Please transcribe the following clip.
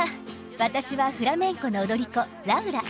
私はフラメンコの踊り子「ラウラ」。